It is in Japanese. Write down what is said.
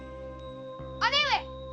・姉上！